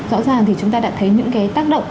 rõ ràng thì chúng ta đã thấy những cái tác động